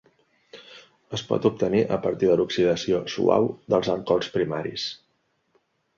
Es pot obtenir a partir de l'oxidació suau dels alcohols primaris.